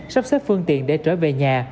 sắp xếp phương tiện để trở về nhà